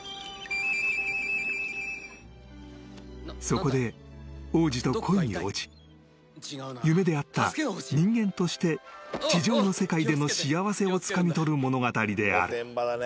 ［そこで王子と恋に落ち夢であった人間として地上の世界での幸せをつかみ取る物語である］